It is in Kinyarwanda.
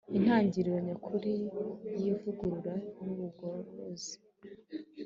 Intangiriro Nyakuri yIvugurura nUbugorozi